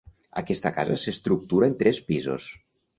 Aquesta casa s'estructura en tres pisos.